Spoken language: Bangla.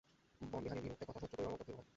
বনবিহারী ভীরু, একথা সহ্য করিবার মতো ভীরু নয়।